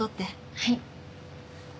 はい。